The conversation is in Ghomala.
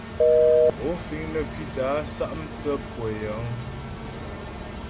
Ó fíŋ nə́ ŋkwítə́ a sá' mtsə́ pʉə́ yəŋ ?